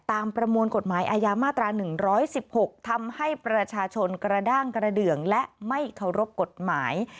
ประมวลกฎหมายอาญามาตรา๑๑๖ทำให้ประชาชนกระด้างกระเดืองและไม่เคารพกฎหมาย